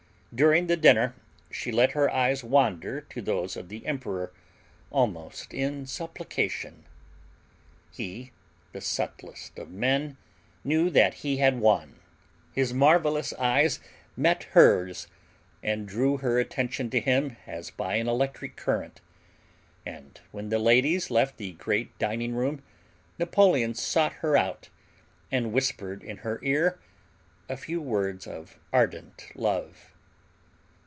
During the dinner she let her eyes wander to those of the emperor almost in supplication. He, the subtlest of men, knew that he had won. His marvelous eyes met hers and drew her attention to him as by an electric current; and when the ladies left the great dining room Napoleon sought her out and whispered in her ear a few words of ardent love.